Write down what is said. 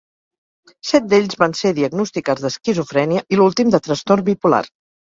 Set d'ells van ser diagnosticats d'esquizofrènia, i l'últim de trastorn bipolar.